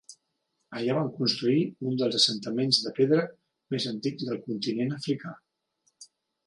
Allà van construir un dels assentaments de pedra més antics del continent africà.